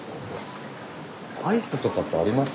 アイスとかってあります？